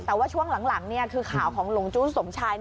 แต่ว่าช่วงหลังคือข่าวของหลงจู้สมชาย